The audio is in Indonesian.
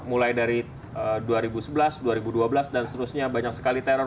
mulai dari dua ribu sebelas dua ribu dua belas dan seterusnya banyak sekali teror